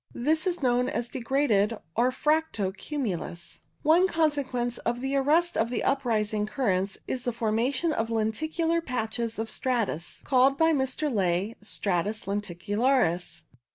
This is known as degraded or fracto cumulus. o 98 CUMULUS One consequence of the arrest of the uprising currents is the formation of lenticular patches of stratus, called by Mr. Ley stratus lenticularis.